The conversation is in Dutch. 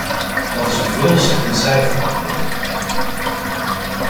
Dat is een veelzeggend cijfer, denk ik.